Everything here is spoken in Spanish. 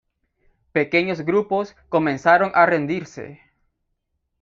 Pequeños grupos comenzaron a rendirse.